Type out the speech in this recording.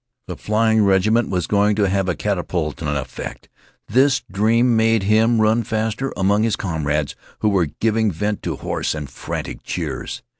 The flying regiment was going to have a catapultian effect. This dream made him run faster among his comrades, who were giving vent to hoarse and frantic cheers.